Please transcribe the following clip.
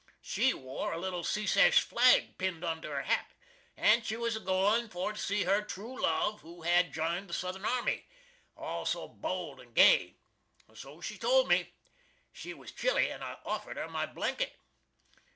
She wore a little Sesesh flag pin'd onto her hat, and she was a goin for to see her troo love, who had jined the Southern army, all so bold and gay. So she told me. She was chilly and I offered her my blanket.